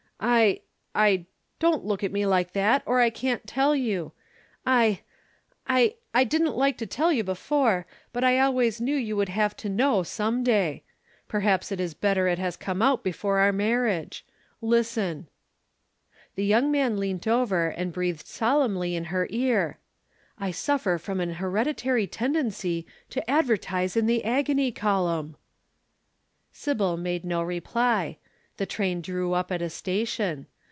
"'I I don't look at me like that, or I can't tell you. I I I didn't like to tell you before, but I always knew you would have to know some day. Perhaps it is better it has come out before our marriage. Listen!' "The young man leant over and breathed solemnly in her ear: 'I suffer from an hereditary tendency to advertise in the agony column.' "Sybil made no reply. The train drew up at a station.